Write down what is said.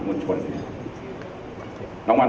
ขอบคุณครับ